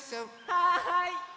はい！